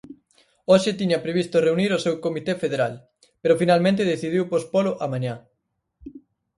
Hoxe tiña previsto reunir o seu comité federal, pero finalmente decidiu pospolo a mañá.